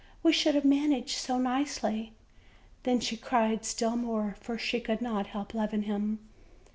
we should have managed so nicely!" Then she cried still more, for she could not help loving him.